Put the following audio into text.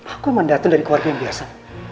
aku emang dateng dari keluarga yang biasa